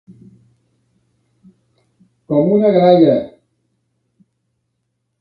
Com una gralla.